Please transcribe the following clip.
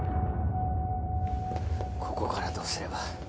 ここからどうすれば？